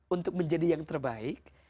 untuk menjadi yang terbaik